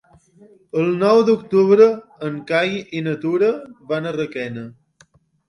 El nou d'octubre en Cai i na Tura van a Requena.